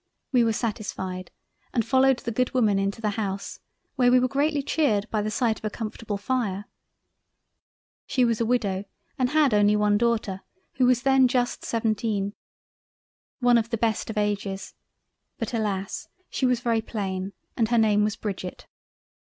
We were satisfied and followed the good woman into the House where we were greatly cheered by the sight of a comfortable fire—. She was a widow and had only one Daughter, who was then just seventeen—One of the best of ages; but alas! she was very plain and her name was Bridget.....